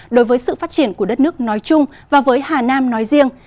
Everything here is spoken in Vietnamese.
đối với sự phát triển của đất nước nói chung và với hà nam nói riêng